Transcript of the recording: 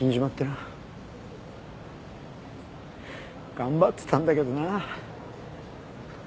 頑張ってたんだけどな。